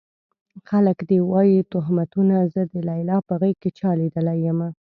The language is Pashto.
خلک دې وايي تُهمتونه زه د ليلا په غېږ کې چا ليدلی يمه